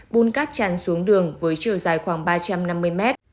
bùn cát tràn xuống đường với chiều dài khoảng ba trăm năm mươi mét